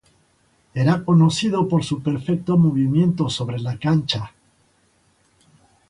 Era conocido por su perfecto movimiento sobre la cancha.